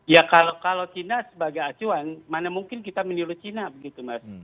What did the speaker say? ya kalau china sebagai acuan mana mungkin kita menyuruh cina begitu mas